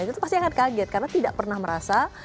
kita pasti akan kaget karena tidak pernah merasa